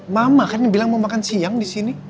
mama karena bilang mau makan siang di sini